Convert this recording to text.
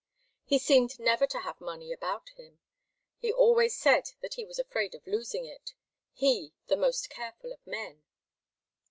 He seemed never to have money about him. He always said that he was afraid of losing it he, the most careful of men!